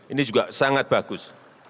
ini juga sangat bagus